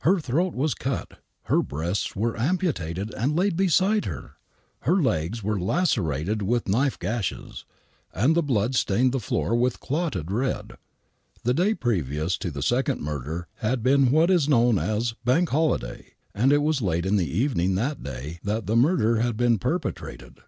Her throat was cut, her breasts were amputated and lay beside her, her legs were lacerated with knife gashes, and the blood stained the floor with clotted red. The day previous to the second murder had been what is known as " Bank Holiday " and it was late in the evening that day that the murder had been perpetrated.